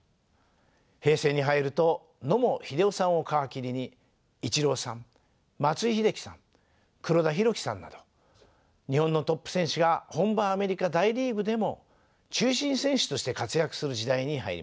平成に入ると野茂英雄さんを皮切りにイチローさん松井秀喜さん黒田博樹さんなど日本のトップ選手が本場アメリカ大リーグでも中心選手として活躍する時代に入りました。